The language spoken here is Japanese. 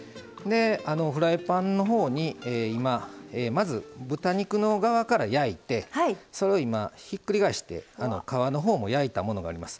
フライパンのほうにまず豚肉の側から焼いてそれをひっくり返して皮のほうも焼いたものがあります。